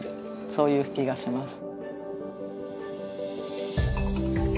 そういう気がします。